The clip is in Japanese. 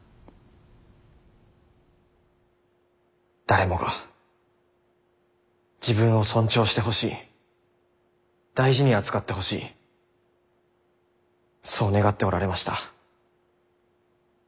誰もが自分を尊重してほしい大事に扱ってほしいそう願っておられました。